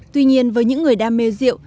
tuy nhiên với những người đam mê rượu